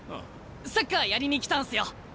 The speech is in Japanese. サッカーやりに来たんすよ。